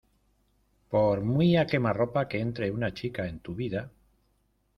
por muy a_quemarropa que entre una chica en tu vida